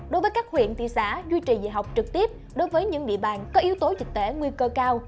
đối với các huyện thị xã duy trì dạy học trực tiếp đối với những địa bàn có yếu tố dịch tễ nguy cơ cao